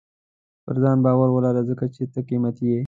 • پر ځان باور ولره، ځکه چې ته قیمتي یې.